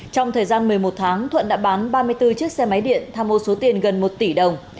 trong thời gian một mươi một tháng thuận đã bán ba mươi bốn chiếc xe máy điện tham ô số tiền gần một tỷ đồng